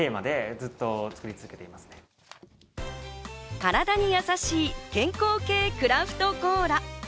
体にやさしい健康系クラフトコーラ。